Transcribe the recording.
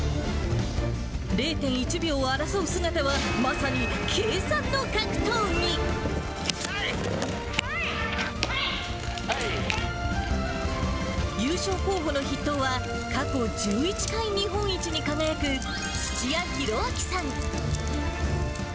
０．１秒を争う姿は、まさに計算の格闘技。優勝候補の筆頭は、過去１１回日本一に輝く、土屋宏明さん。